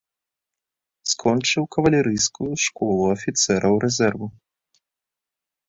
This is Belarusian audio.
Скончыў кавалерыйскую школу афіцэраў рэзерву.